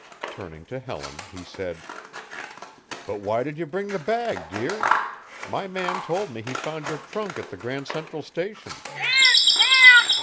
Turning to Helen, he said: "But why did you bring the bag, dear? My man told me he found your trunk at the Grand Central Station."